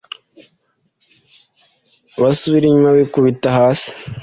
basubira inyuma bikubita hasi